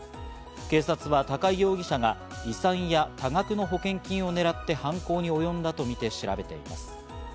警察は高井容疑者が遺産や多額の保険金を狙って犯行におよんだとみて調べています。